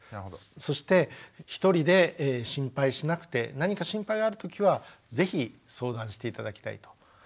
そして一人で心配しなくて何か心配があるときは是非相談して頂きたいと思います。